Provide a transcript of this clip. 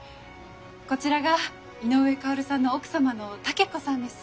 こちらが井上馨さんの奥様の武子さんです。